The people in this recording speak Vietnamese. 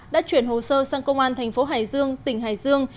đã chuyển hồ sơ sang công an thành phố hải dương tỉnh hải dương